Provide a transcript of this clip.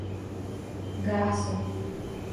Garça